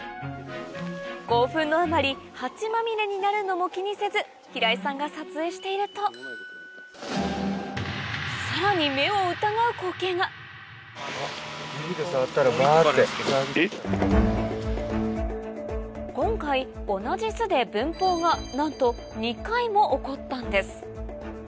興奮のあまり蜂まみれになるのも気にせず平井さんが撮影しているとさらに今回同じ巣でなんとも起こったんです